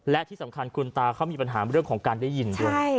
และที่สำคัญคุณตาเขามีปัญหาเรื่องของการได้ยินด้วย